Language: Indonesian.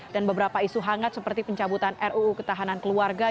dan beberapa isu hangat seperti pencabutan ruu ketahanan keluarga